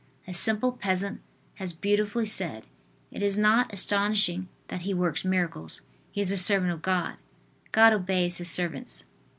A simple peasant has beautifully said: "It is not astonishing that he works miracles. He is a servant of God. God obeys his servants."